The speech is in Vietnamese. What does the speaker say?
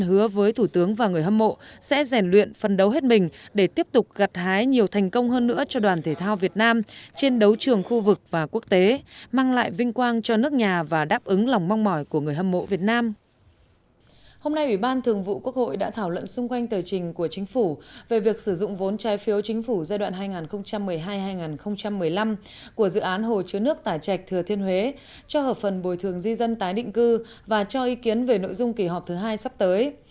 hôm nay ủy ban thường vụ quốc hội đã thảo luận xung quanh tờ trình của chính phủ về việc sử dụng vốn trai phiếu chính phủ giai đoạn hai nghìn một mươi hai hai nghìn một mươi năm của dự án hồ chứa nước tải trạch thừa thiên huế cho hợp phần bồi thường di dân tái định cư và cho ý kiến về nội dung kỷ họp thứ hai sắp tới